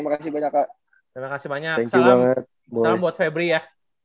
kasih banyak salam buat febri ya